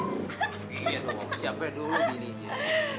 iya dong siap siap dulu bininya